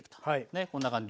ねこんな感じに。